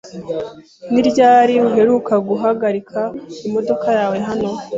Ni ryari uheruka guhagarika imodoka yawe hano?